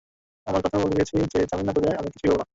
আমার কথাও বলে দিয়েছি যে, জামিন না পেলে আমি কিছুই করব না।